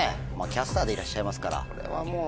キャスターでいらっしゃいますから。